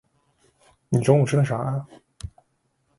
你中午吃的啥啊？